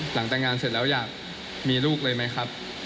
หลังแต่งงานเสร็จแล้วอยากมีลูกเลยไหมครับ